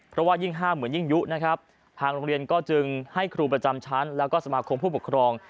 เพราะว่ายิ่งห้ามเหมือนยิ่งยุนะครับทางโรงเรียนก็จึงให้ครูประจำชั้นแล้วก็สมาคมผู้ปกครอง